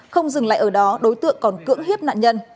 không dừng lại ở đó đối tượng còn cưỡng hiếp nạn nhân